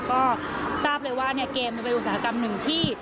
ก็ทราบเลยว่าเกมจะเป็นอุตสาหกรรมหนึ่งที่